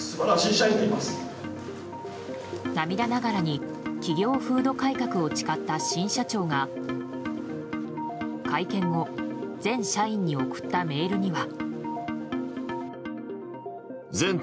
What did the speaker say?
涙ながらに企業風土改革を誓った新社長が会見後、全社員に送ったメールには。